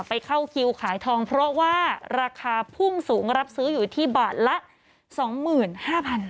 เข้าคิวขายทองเพราะว่าราคาพุ่งสูงรับซื้ออยู่ที่บาทละ๒๕๐๐บาท